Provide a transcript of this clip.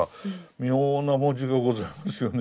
妙な文字がございますよね